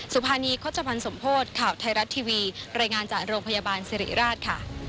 สุภานีคสมโพธข่าวไทยรัฐทีวีรายงานจากโรงพยาบาลศิริราช